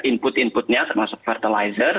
input inputnya termasuk fertilizer